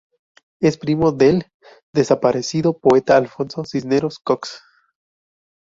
Es primo del desaparecido poeta Alfonso Cisneros Cox.